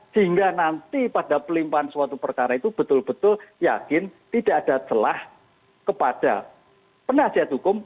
sehingga nanti pada pelimpahan suatu perkara itu betul betul yakin tidak ada celah kepada penasihat hukum